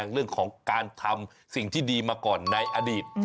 เรื่องของการทำสิ่งที่ดีมาก่อนในอดีต